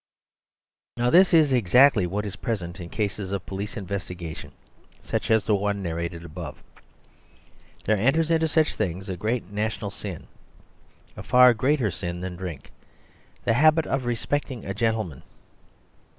Now this is exactly what is present in cases of police investigation such as the one narrated above. There enters into such things a great national sin, a far greater sin than drink the habit of respecting a gentleman.